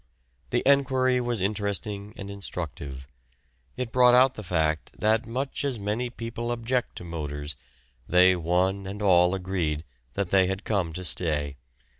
The enquiry was interesting and instructive. It brought out the fact that much as many people object to motors, they one and all agreed that they had come to stay.